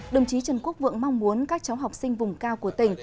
đồng chí trần quốc vượng mong muốn các cháu học sinh vùng cao của tỉnh